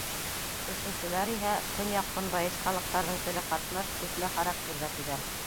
Өсөнсөләр иһә, көньяҡ-көнбайыш халыҡтарҙың теле ҡатнаш, күсмә характерҙа, тиҙәр.